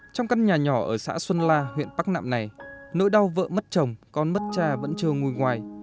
trong căn nhà nhỏ ở xã xuân la huyện bắc nạm này nỗi đau vợ mất chồng con mất cha vẫn chưa ngồi ngoài